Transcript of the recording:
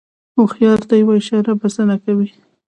هوښیار ته یوه اشاره بسنه کوي.